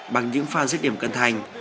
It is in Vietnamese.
bằng những pha giết điểm cân thành